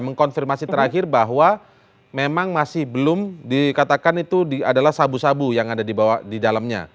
mengkonfirmasi terakhir bahwa memang masih belum dikatakan itu adalah sabu sabu yang ada di dalamnya